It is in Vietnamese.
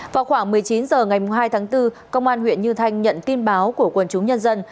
vào khoảng một mươi chín h ngày hai tháng bốn công an huyện như thanh nhận tin báo của quân chúng nhân dân